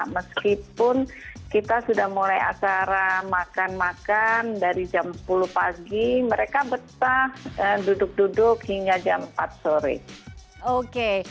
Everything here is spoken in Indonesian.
meskipun kita sudah mulai acara makan makan dari jam sepuluh pagi mereka betah duduk duduk hingga jam empat sore